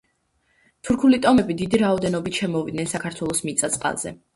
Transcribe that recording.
თურქული ტომები დიდი რაოდენობით შემოვიდნენ საქართველოს მიწა-წყალზე.